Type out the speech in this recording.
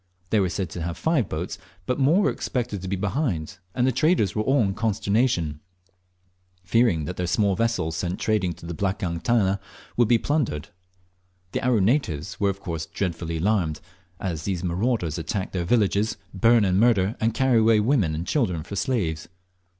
They were said to have five boats, but more were expected to be behind and the traders were all in consternation, fearing that their small vessels sent trading to the "blakang tana" would be plundered. The Aru natives were of course dreadfully alarmed, as these marauders attack their villages, burn and murder, and carry away women and children for slaves.